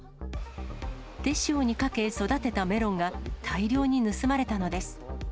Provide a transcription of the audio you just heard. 手塩にかけ、育てたメロンが、大量に盗まれたのです。